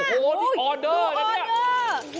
โอ้โหมีออเดอร์เหรอนี่โอ้โหมีออเดอร์